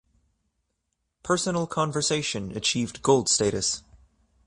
"Personal Conversation" achieved gold status.